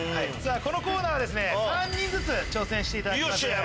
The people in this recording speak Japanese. このコーナーは３人ずつ挑戦していただきます。